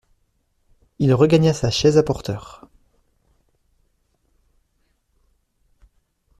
Il regagna sa chaise à porteurs.